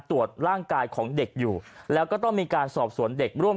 ตรวจร่างกายของเด็กอยู่แล้วก็ต้องมีการสอบสวนเด็กร่วม